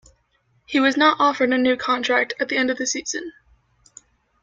He was not offered a new contract at the end of the season.